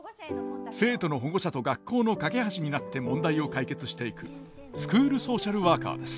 生徒の保護者と学校の架け橋になって問題を解決していくスクールソーシャルワーカーです。